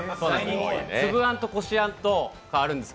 つぶあんとこしあんがあるんです。